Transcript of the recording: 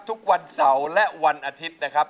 ทุกวันเสาร์และวันอาทิตย์นะครับ